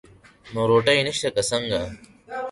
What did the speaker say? نو روټۍ نشته که څنګه؟